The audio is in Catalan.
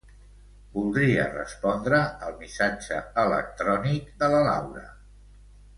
Voldria respondre al missatge electrònic de la Laura.